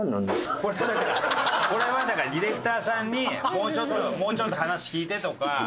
これはだからディレクターさんにもうちょっともうちょっと話聞いてとか。